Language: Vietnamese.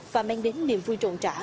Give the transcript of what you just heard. và mang đến niềm vui trộn trả